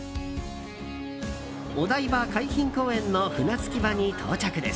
お台場海浜公園の船着き場に到着です。